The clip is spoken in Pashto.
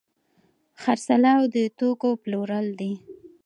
خرڅلاو د توکو پلورل دي.